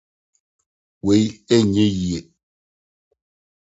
Eyi renyɛ yiye.